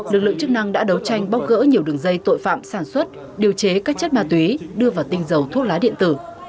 lực lượng chức năng đã đấu tranh bóc gỡ nhiều đường dây tội phạm sản xuất điều chế các chất ma túy đưa vào tinh dầu thuốc lá điện tử